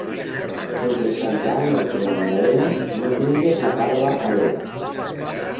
Entre Santa Anna i la Magdalena, no tingues la parva a l'era.